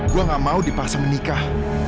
gue gak mau dipaksa menikah